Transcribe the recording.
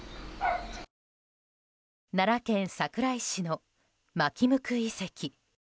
奈良県桜井市の纏向遺跡。